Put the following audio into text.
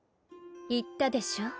言ったでしょう？